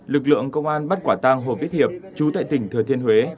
lực lượng công an bắt quả tang hồ viết hiệp chú tại tỉnh thừa thiên huế